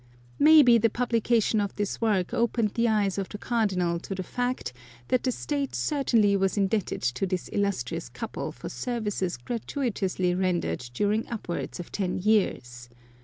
Maybe the publica tion of this work opened the eyes of the Cardinal to the fact that the State certainly was indebted to this illustrious couple for services gratuitously rendered during upwards of ten years.